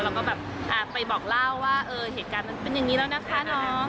แล้วก็แบบไปบอกเล่าว่าเหตุการณ์มันเป็นอย่างนี้แล้วนะคะน้อง